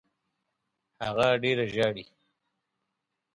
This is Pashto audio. هغه ډېره ژاړي.